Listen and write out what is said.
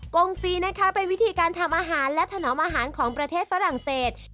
งฟรีนะคะเป็นวิธีการทำอาหารและถนอมอาหารของประเทศฝรั่งเศส